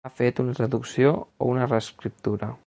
Ha fet una traducció, o una reescriptura?